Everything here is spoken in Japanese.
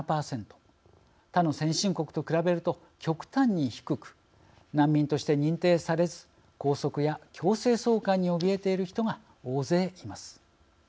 他の先進国と比べると極端に低く難民として認定されず拘束や強制送還におびえている人が大勢います。